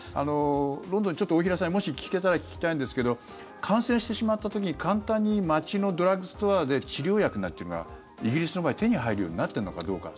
ロンドンに、ちょっと大平さんにもし聞けたら聞きたいんですけど感染してしまった時に簡単に街のドラッグストアで治療薬なんていうのはイギリスの場合手に入るようになっているのかどうか。